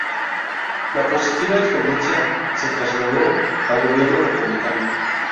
La positiva experiencia se trasladó al gobierno republicano.